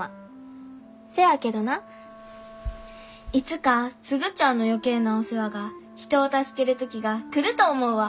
せやけどないつか鈴ちゃんの余計なお世話が人を助ける時が来ると思うわ。